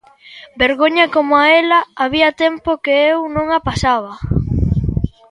Vergoña coma ela había tempo que eu non a pasaba...